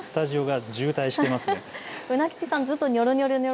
スタジオが渋滞していますね。